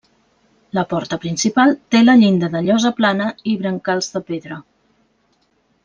La porta principal té la llinda de llosa plana i brancals de pedra.